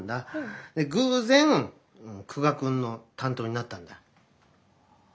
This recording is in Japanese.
偶然久我君の担当になったんだ。